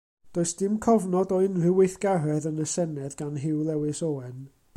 Does dim cofnod o unrhyw weithgaredd yn y Senedd gan Hugh Lewis Owen.